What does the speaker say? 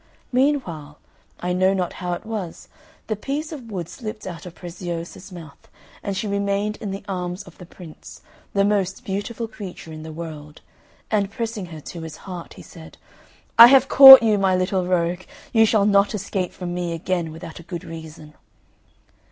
Meanwhile (I know not how it was) the piece of wood slipped out of Preziosa's mouth, and she remained in the arms of the Prince, the most beautiful creature in the world; and pressing her to his heart, he said, "I have caught you, my little rogue! You shall not escape from me again without a good reason."